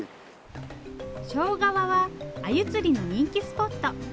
庄川はアユ釣りの人気スポット。